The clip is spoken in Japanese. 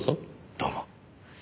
どうも。